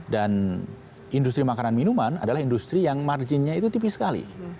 dan industri makanan minuman adalah industri yang marginnya itu tipis sekali